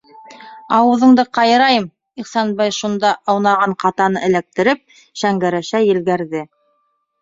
Ауыҙыңды ҡайырайым, - Ихсанбай шунда аунаған ҡатаны эләктереп, Шәңгәрәшә елгәрҙе.